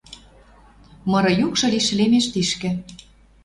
Мыры юкшы лишӹлемеш тишкӹ...